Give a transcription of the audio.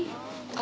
あ。